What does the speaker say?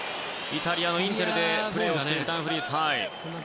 イタリアのインテルでプレーしているダンフリース。